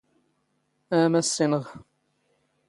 ⴰ ⵎⴰⵙⵙⵉⵏⵖ!